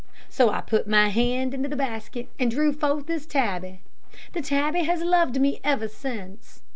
So I put my hand into the basket, and drew forth this tabby. The tabby has loved me ever since.